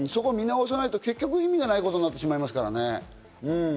見直さないと結局意味がないことになってしまいますからね。